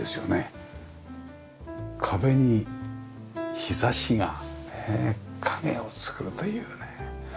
壁に日差しが影を作るというねえ。